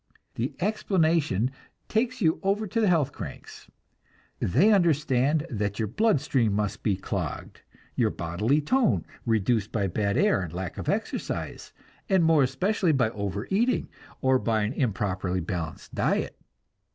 The explanation takes you over to the "health cranks." They understand that your blood stream must be clogged, your bodily tone reduced by bad air and lack of exercise, and more especially by over eating, or by an improperly balanced diet.